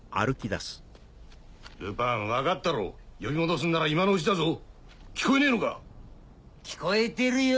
ルパン分かったろう呼び戻すんなら今のうちだぞ聞こえねえのか⁉聞こえてるよ！